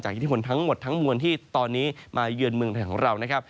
อิทธิพลทั้งหมดทั้งมวลที่ตอนนี้มาเยือนเมืองไทยของเรานะครับ